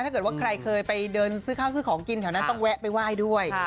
ถ้าเกิดว่าใครเคยไปเดินซื้อข้าวซื้อของกินแถวนั้นต้องแวะไปไหว้ด้วย